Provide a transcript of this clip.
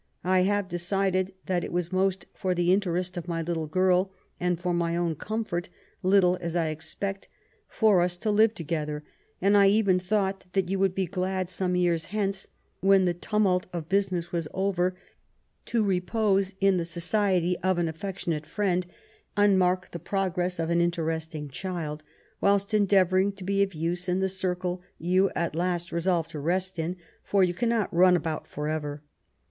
I have decided that it was most for the interest of my little girl, and for my own comfort, little as I expect, for us to live together ; and I even thought that you wonld be glad some years hence, when the tumnlt of business was over, to repose in the society of an affectionate friend, and mark the pro gress of our interesting child, whilst endeavouring to be of use in the circle you at last resolved to rest in, for you cannot run about for ever.